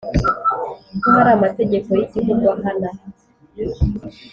ko hari amategeko y’igihugu ahana